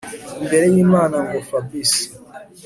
imbere yImana ngo Fabric